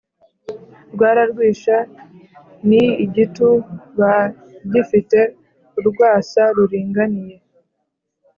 rwararwisha : n i igitu ba g i fite urwasa ruringaniye